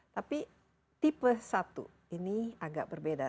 tapi tipe satu ini agak berbeda